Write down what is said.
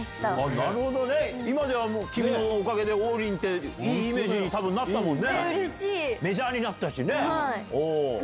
なるほどね、今ではもう、君のおかげで、王林っていいイメージに、たぶん、なったよね。